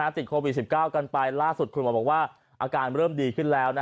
ติดโควิด๑๙กันไปล่าสุดคุณหมอบอกว่าอาการเริ่มดีขึ้นแล้ว